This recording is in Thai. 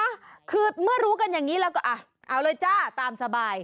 อ่ะคือเมื่อรู้กันอย่างนี้แล้วก็อ่ะเอาเลยจ้าตามสบาย